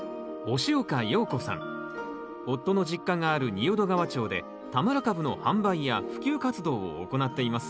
夫の実家がある仁淀川町で田村かぶの販売や普及活動を行っています